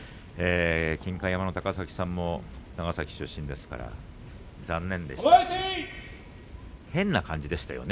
金開山の高崎さんも長崎出身ですから残念でしたね。